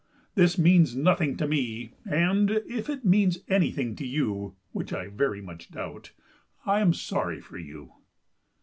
This means nothing to me; and if it means anything to you—which I very much doubt—I am sorry for you!"